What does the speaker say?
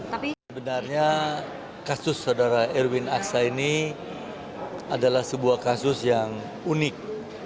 tapi sebenarnya kasus saudara erwin aksa ini adalah sebuah kasus yang unik